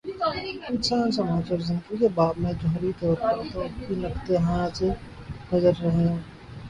انسان، سماج اور زندگی کے باب میں، جوہری طور پر دو ہی نقطہ ہائے نظر رہے ہیں۔